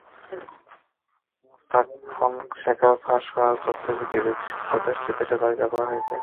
Mossack ফনসেকার ফাঁস হওয়া তথ্যের ভিত্তিতে শীর্ষ দশটি দেশের তালিকা করা হয়েছে।